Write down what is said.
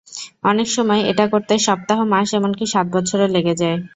অনেক সময় এটা করতে সপ্তাহ, মাস এমনকি সাত বছরও লেগে যায়।